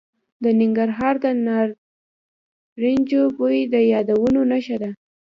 د ننګرهار د نارنجو بوی د یادونو نښه ده.